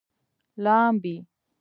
لامبي